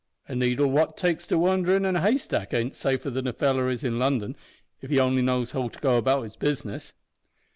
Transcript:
A needle what takes to wanderin' in a haystack ain't safer than a feller is in London, if he only knows how to go about the business.